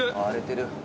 荒れてる。